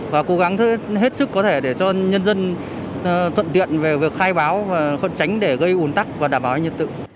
và cố gắng hết sức có thể để cho nhân dân thuận tiện về việc khai báo và tránh để gây ủn tắc và đảm bảo an nhân tự